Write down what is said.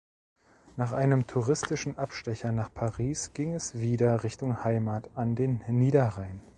Nach einem touristischen Abstecher nach Paris ging es wieder Richtung Heimat an den Niederrhein.